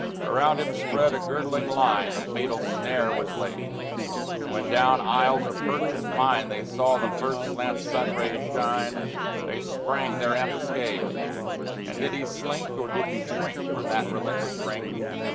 Around him spread a girdling line; The fatal snare was laid; And when down aisles of birch and pine They saw the first slant sun rays shine, They sprang their ambuscade. And did he slink, or did he shrink From that relentless ring?